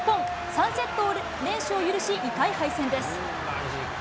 ３セット連取を許し、痛い敗戦です。